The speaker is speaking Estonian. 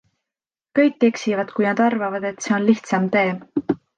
Kõik eksivad, kui nad arvavad, et see on lihtsam tee.